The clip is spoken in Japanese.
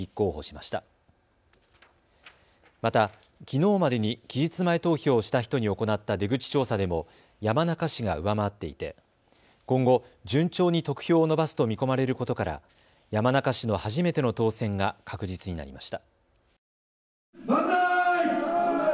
また、きのうまでに期日前投票をした人に行った出口調査でも山中氏が上回っていて今後、順調に得票を伸ばすと見込まれることから山中氏の初めての当選が確実になりました。